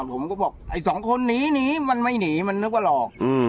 ผมก็บอกไอ้สองคนหนีหนีมันไม่หนีมันนึกว่าหลอก